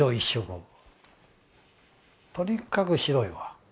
とにかく白いわ。